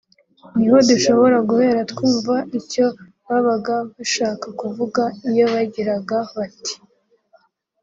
niho dushobora guhera twumva icyo babaga bashaka kuvuga iyo bagiraga bati